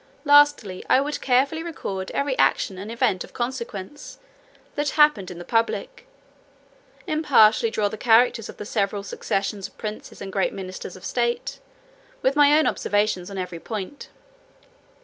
Lastly, I would carefully record every action and event of consequence, that happened in the public, impartially draw the characters of the several successions of princes and great ministers of state, with my own observations on every point.